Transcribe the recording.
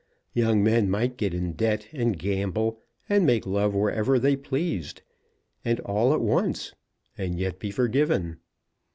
Young men might get in debt, and gamble, and make love wherever they pleased, and all at once, and yet be forgiven.